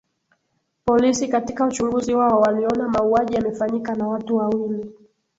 Polisi katika uchunguzi wao waliona mauaji yamefanyika na watu wawili